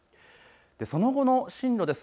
その後の進路です。